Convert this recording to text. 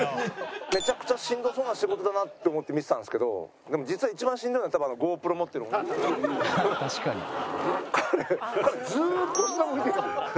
めちゃくちゃしんどそうな仕事だなって思って見てたんですけどでも実は一番しんどいのは多分あの彼ずーっと下向いてるから。